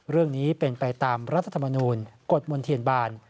เรื่องนี้เป็นไปตามรัฐธรรมนูลกฎมนเทียนบาล